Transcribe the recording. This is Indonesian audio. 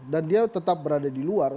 dan dia tetap berada di luar